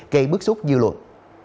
gây bức xúc dư luận